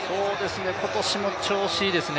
今年も調子いいですね。